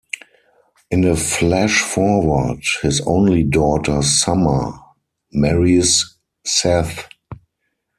In a flashforward, his only daughter Summer, marries Seth.